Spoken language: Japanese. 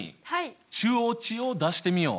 中央値を出してみよう！